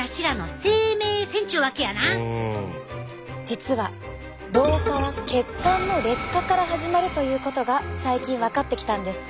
実は老化は血管の劣化から始まるということが最近分かってきたんです。